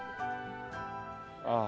ああ。